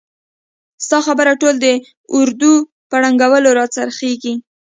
ستا خبره ټول د اردو په ړنګولو را څرخیږي!